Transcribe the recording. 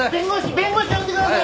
弁護士呼んでください。